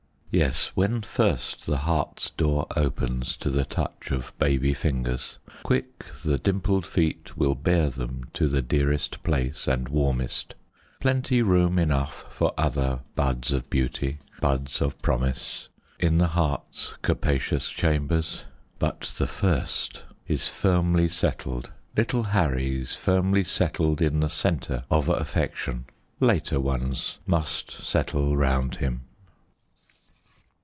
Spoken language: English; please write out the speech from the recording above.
Yes, when first the heart's door opens To the touch of baby fingers, Quick the dimpled feet will bear them To the dearest place and warmest Plenty room enough for other Buds of beauty, buds of promise, In the heart's capacious chambers; But the first is firmly settled Little Harry's firmly settled In the centre of affection; Later ones must settle round him.